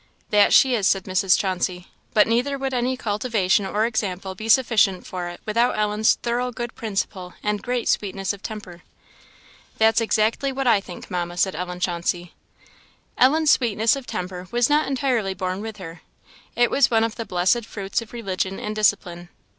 "That she is," said Mrs. Chauncey; "but neither would any cultivation or example be sufficient for it without Ellen's thorough good principle and great sweetness of temper." "That's exactly what I think, Mamma," said Ellen Chauncey. Ellen's sweetness of temper was not entirely born with her; it was one of the blessed fruits of religion and discipline.